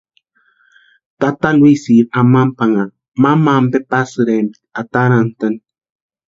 Tata Luisiri amampanha mamampe pasïrempti atarantani.